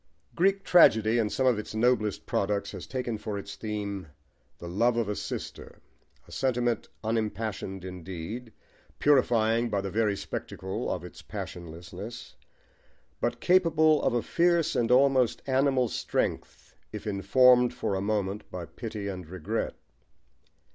Greek tragedy in some of its noblest products has taken for its theme the love of a sister, a sentiment unimpassioned indeed, purifying by the very spectacle of its passionlessness, but capable of a fierce and almost animal strength if informed for a moment by pity and regret.